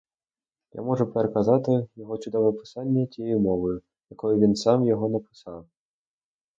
Я можу переказати його чудове писання тієї мовою, якою він сам його написав.